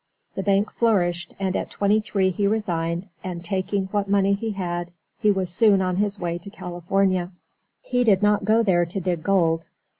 The bank flourished and at twenty three he resigned and, taking what money he had, he was soon on his way to California. He did not go there to dig gold.